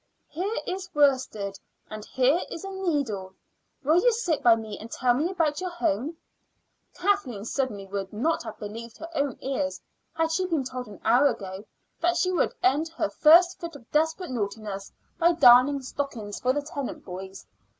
Here is worsted, and here is a needle. Will you sit by me and tell me about your home?" Kathleen certainly would not have believed her own ears had she been told an hour ago that she would end her first fit of desperate naughtiness by darning stockings for the Tennant boys.